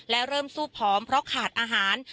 และเริ่มสู้ผอมเพราะขาดอาหาร